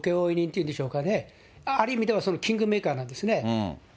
そうですね、選挙請け負い人っていうんでしょうかね、ある意味では、キングメーカーなんですね。